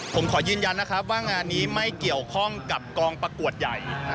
ผมขอยืนยันนะครับว่างานนี้ไม่เกี่ยวข้องกับกองประกวดใหญ่